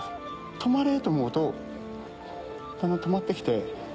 止まれ！と思うとだんだん止まって来て。